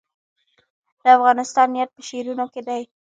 د افغانستان یاد په شعرونو کې دی